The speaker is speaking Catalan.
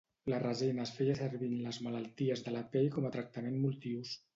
La resina es feia servir en les malalties de la pell com a tractament multiús.